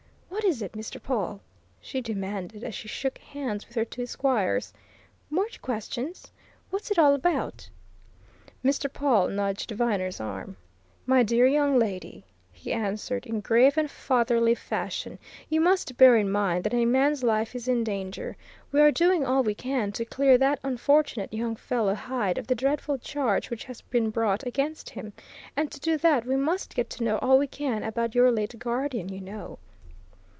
"What is it, Mr. Pawle?" she demanded as she shook hands with her two squires. "More questions? What's it all about?" Mr. Pawle nudged Viner's arm. "My dear young lady," he answered in grave and fatherly fashion, "you must bear in mind that a man's life is in danger. We are doing all we can to clear that unfortunate young fellow Hyde of the dreadful charge which has been brought against him, and to do that we must get to know all we can about your late guardian, you know."